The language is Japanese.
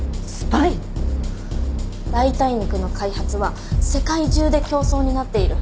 代替肉の開発は世界中で競争になっている。